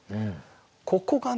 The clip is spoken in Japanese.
ここがね